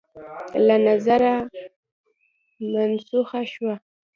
له نظره منسوخه شوه